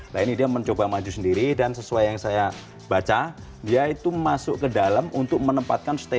lainnya dia mencoba maju sendiri dan sesuai yang saya baca dia itu masuk ke dalam untuk menempatkan stesen stesen